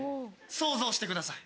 想像してください。